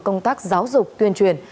công tác giáo dục tuyên truyền